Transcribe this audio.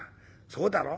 そうだろ？